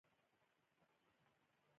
محمد عارف یوه صادق انسان دی